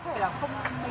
đã khá là như thế